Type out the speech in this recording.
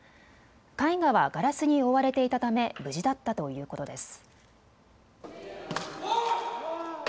絵画はガラスに覆われていたため無事だったということです。